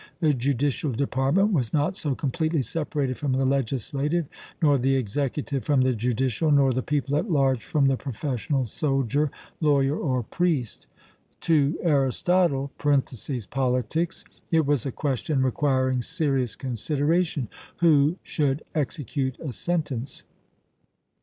The judicial department was not so completely separated from the legislative, nor the executive from the judicial, nor the people at large from the professional soldier, lawyer, or priest. To Aristotle (Pol.) it was a question requiring serious consideration Who should execute a sentence?